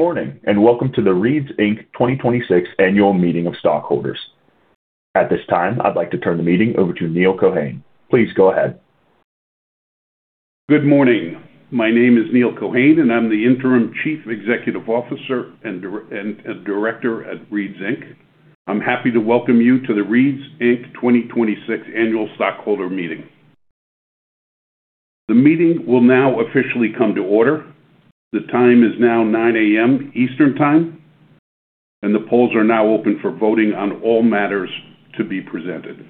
Good morning, welcome to the Reed's Inc. 2026 Annual Meeting of Stockholders. At this time, I'd like to turn the meeting over to Neal Cohane. Please go ahead. Good morning. My name is Neal Cohane, I'm the Interim Chief Executive Officer and Director at Reed's Inc. I'm happy to welcome you to the Reed's Inc. 2026 Annual Stockholder Meeting. The meeting will now officially come to order. The time is now 9:00 A.M. Eastern Time, the polls are now open for voting on all matters to be presented.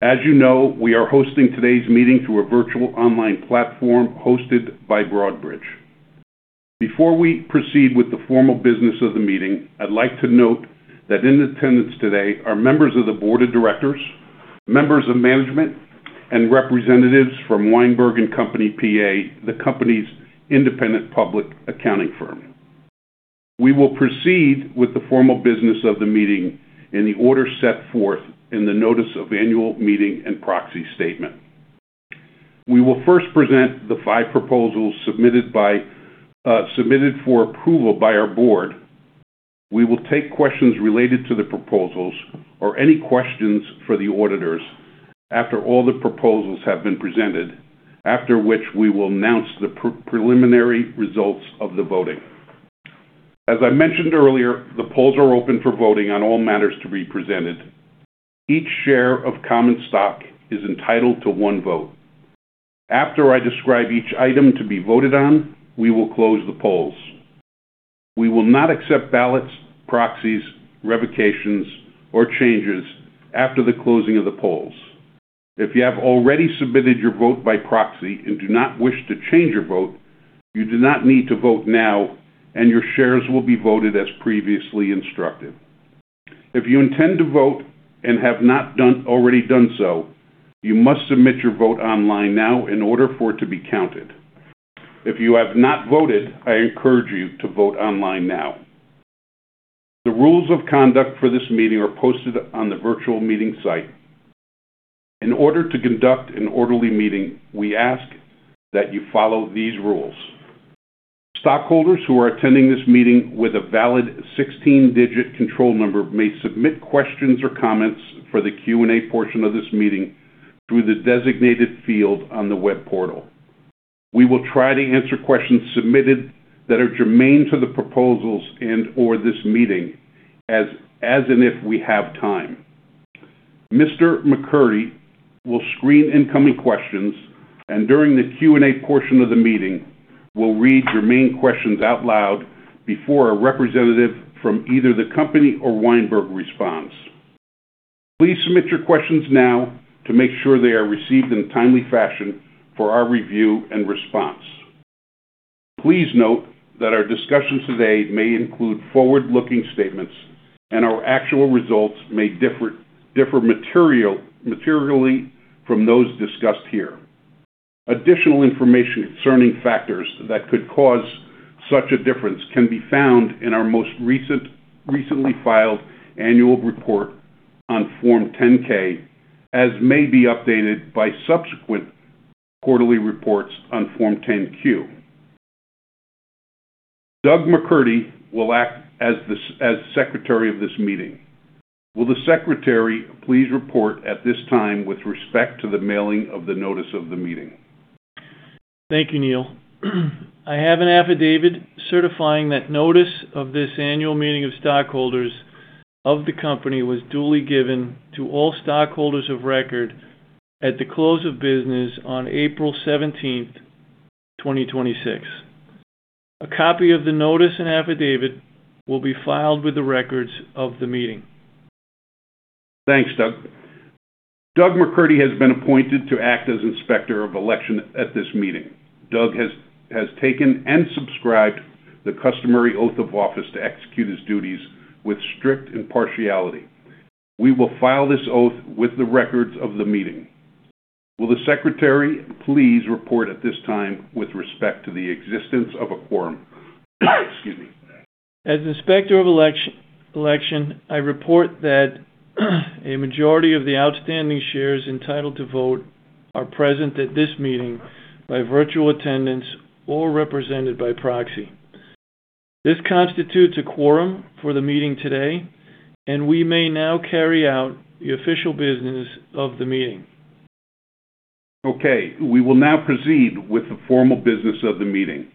As you know, we are hosting today's meeting through a virtual online platform hosted by Broadridge. Before we proceed with the formal business of the meeting, I'd like to note that in attendance today are members of the board of directors, members of management, and representatives from Weinberg & Company, P.A., the company's independent public accounting firm. We will proceed with the formal business of the meeting in the order set forth in the notice of annual meeting and proxy statement. We will first present the five proposals submitted for approval by our board. We will take questions related to the proposals or any questions for the auditors after all the proposals have been presented, after which we will announce the preliminary results of the voting. As I mentioned earlier, the polls are open for voting on all matters to be presented. Each share of common stock is entitled to one vote. After I describe each item to be voted on, we will close the polls. We will not accept ballots, proxies, revocations, or changes after the closing of the polls. If you have already submitted your vote by proxy and do not wish to change your vote, you do not need to vote now and your shares will be voted as previously instructed. If you intend to vote and have not already done so, you must submit your vote online now in order for it to be counted. If you have not voted, I encourage you to vote online now. The rules of conduct for this meeting are posted on the virtual meeting site. In order to conduct an orderly meeting, we ask that you follow these rules. Stockholders who are attending this meeting with a valid 16-digit control number may submit questions or comments for the Q&A portion of this meeting through the designated field on the web portal. We will try to answer questions submitted that are germane to the proposals and/or this meeting as and if we have time. Mr. McCurdy will screen incoming questions, during the Q&A portion of the meeting, will read germane questions out loud before a representative from either the company or Weinberg responds. Please submit your questions now to make sure they are received in a timely fashion for our review and response. Please note that our discussions today may include forward-looking statements and our actual results may differ materially from those discussed here. Additional information concerning factors that could cause such a difference can be found in our most recently filed annual report on Form 10-K, as may be updated by subsequent quarterly reports on Form 10-Q. Doug McCurdy will act as secretary of this meeting. Will the secretary please report at this time with respect to the mailing of the notice of the meeting? Thank you, Neal. I have an affidavit certifying that notice of this annual meeting of stockholders of the company was duly given to all stockholders of record at the close of business on April 17th, 2026. A copy of the notice and affidavit will be filed with the records of the meeting. Thanks, Doug. Doug McCurdy has been appointed to act as Inspector of Election at this meeting. Doug has taken and subscribed the customary oath of office to execute his duties with strict impartiality. We will file this oath with the records of the meeting. Will the secretary please report at this time with respect to the existence of a quorum? Excuse me. As Inspector of Election, I report that a majority of the outstanding shares entitled to vote are present at this meeting by virtual attendance or represented by proxy. This constitutes a quorum for the meeting today, and we may now carry out the official business of the meeting. Okay. We will now proceed with the formal business of the meeting.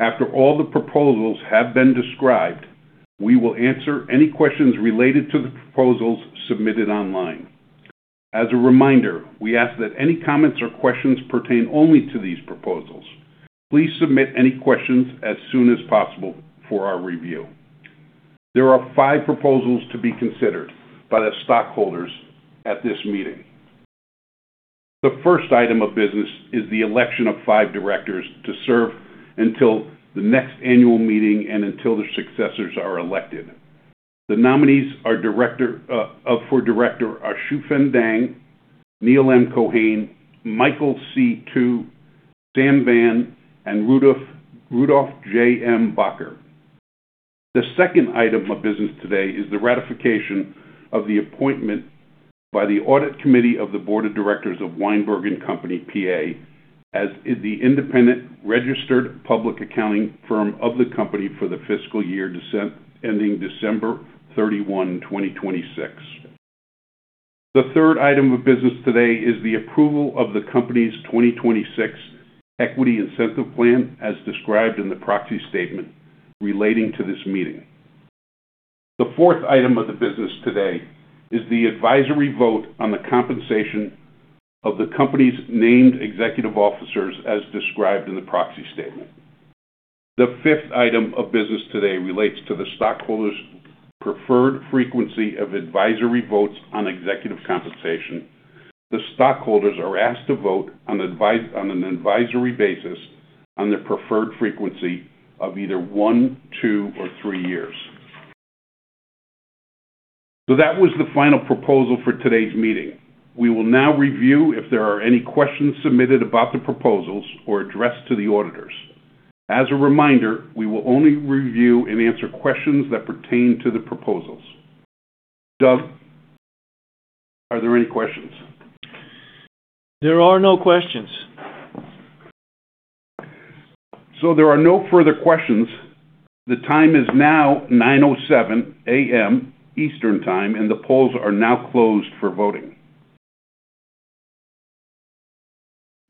After all the proposals have been described, we will answer any questions related to the proposals submitted online. As a reminder, we ask that any comments or questions pertain only to these proposals. Please submit any questions as soon as possible for our review. There are five proposals to be considered by the stockholders at this meeting. The first item of business is the election of five directors to serve until the next annual meeting and until their successors are elected. The nominees for director are Shufen Deng, Neal M. Cohane, Michael C. Tu, Sam Van, and Rudolf J. M. Bakker. The second item of business today is the ratification of the appointment by the audit committee of the board of directors of Weinberg & Company, P.A., as the independent registered public accounting firm of the company for the fiscal year ending December 31, 2026. The third item of business today is the approval of the company's 2026 equity incentive plan as described in the proxy statement relating to this meeting. The fourth item of the business today is the advisory vote on the compensation of the company's named executive officers as described in the proxy statement. The fifth item of business today relates to the stockholders' preferred frequency of advisory votes on executive compensation. The stockholders are asked to vote on an advisory basis on their preferred frequency of either one, two, or three years. That was the final proposal for today's meeting. We will now review if there are any questions submitted about the proposals or addressed to the auditors. As a reminder, we will only review and answer questions that pertain to the proposals. Doug, are there any questions? There are no questions. There are no further questions. The time is now 9:07 A.M. Eastern Time. The polls are now closed for voting.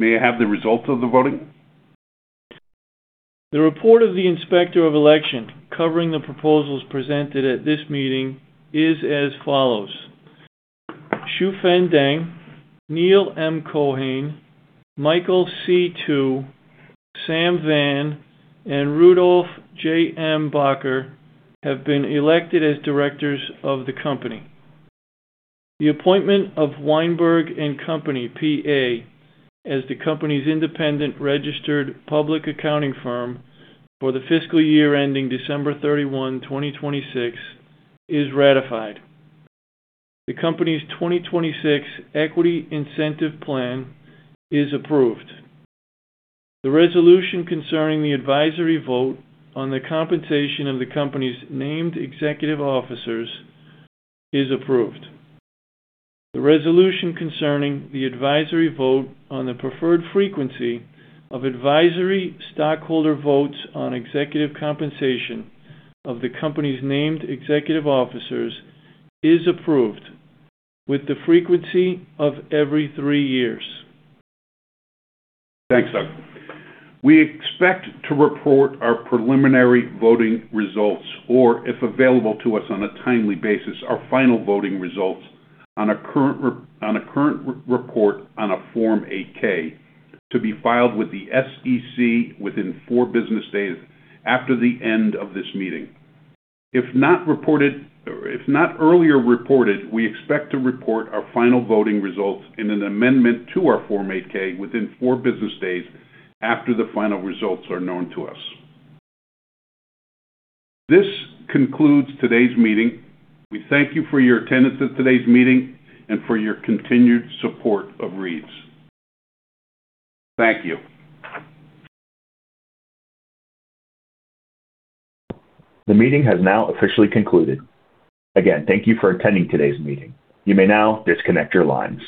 May I have the results of the voting? The report of the Inspector of Election covering the proposals presented at this meeting is as follows. Shufen Deng, Neal M. Cohane, Michael C. Tu, Sam Van, and Rudolf J.M. Bakker have been elected as directors of the company. The appointment of Weinberg & Company, P.A. as the company's independent registered public accounting firm for the fiscal year ending December 31, 2026 is ratified. The company's 2026 equity incentive plan is approved. The resolution concerning the advisory vote on the compensation of the company's named executive officers is approved. The resolution concerning the advisory vote on the preferred frequency of advisory stockholder votes on executive compensation of the company's named executive officers is approved, with the frequency of every three years. Thanks, Doug. We expect to report our preliminary voting results, or if available to us on a timely basis, our final voting results on a current report on a Form 8-K to be filed with the SEC within four business days after the end of this meeting. If not earlier reported, we expect to report our final voting results in an amendment to our Form 8-K within four business days after the final results are known to us. This concludes today's meeting. We thank you for your attendance at today's meeting and for your continued support of Reed's Inc. Thank you. The meeting has now officially concluded. Again, thank you for attending today's meeting. You may now disconnect your line.